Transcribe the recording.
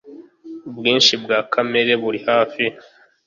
Ubwinshi bwa kamere buri hafi